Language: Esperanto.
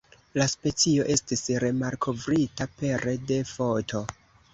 La specio estis remalkovrita pere de foto.